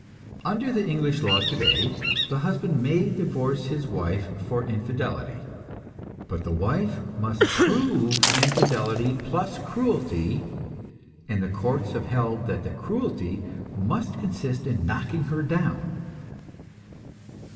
Under the English law today, the husband may divorce his wife for infidelity, but the wife must prove infidelity plus cruelty, and the courts have held that the cruelty must consist in knocking her down.